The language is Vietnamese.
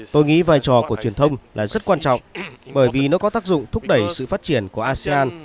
tôi nghĩ vai trò của truyền thông là rất quan trọng bởi vì nó có tác dụng thúc đẩy sự phát triển của asean